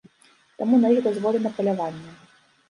Таму на іх дазволена паляванне.